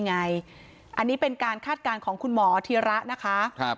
อันนี้เป็นการคาดการณ์ของคุณหมอธีระนะคะ